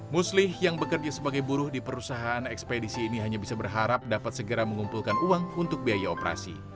muslih yang bekerja sebagai buruh di perusahaan ekspedisi ini hanya bisa berharap dapat segera mengumpulkan uang untuk biaya operasi